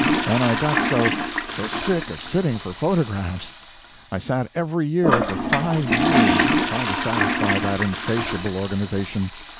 And I got so, so sick of sitting for photographs. I sat every year for five years, trying to satisfy that insatiable organization.